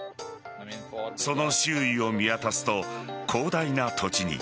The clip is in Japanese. その周囲を見渡すと広大な土地に